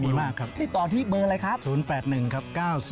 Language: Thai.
มีมากครับในตอนที่เบอร์อะไรครับ